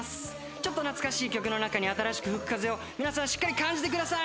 ちょっと懐かしい曲の中に新しく吹く風を皆さんしっかり感じてください。